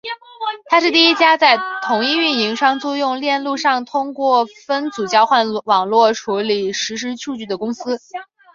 她是第一家在同一运营商租用链路上通过分组交换网络处理实时数据的公司。